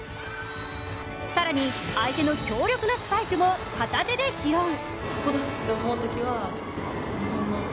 更に、相手の強力なスパイクも片手で拾う。